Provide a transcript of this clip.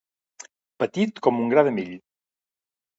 Petit com un gra de mill.